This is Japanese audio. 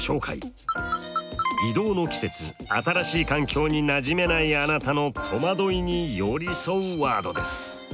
異動の季節新しい環境になじめないあなたの戸惑いによりそワードです。